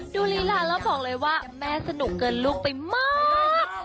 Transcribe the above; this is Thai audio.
ลีลาแล้วบอกเลยว่าแม่สนุกเกินลูกไปมาก